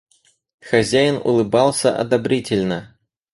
Хозяин улыбался одобрительно.